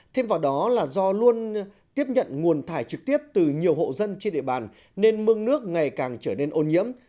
thêm vào đó là do luôn tiếp nhận nguồn thải trực tiếp từ nhiều hộ dân trên địa bàn nên mương nước ngày càng trở nên ô nhiễm